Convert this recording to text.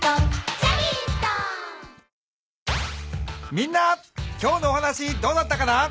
みんな今日のお話どうだったかな？